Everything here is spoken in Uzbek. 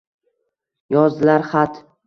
Yozdilar xat: